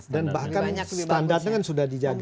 dan bahkan standarnya sudah dijaga